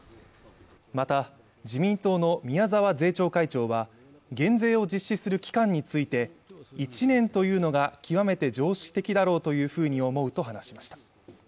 また自民党の宮沢税調会長は減税を実施する期間について１年というのが極めて常識的だろうというふうに思うと話しました